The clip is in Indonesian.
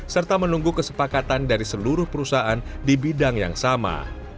serta menunggu kesepakatan dari seluruh perusahaan di bidang yang sama